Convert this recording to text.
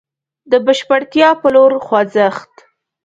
د بشپړتيا په لور خوځښت.